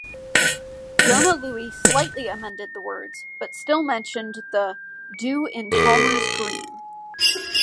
Jona Lewie slightly amended the words, but still mentioned the "do in Palmers Green".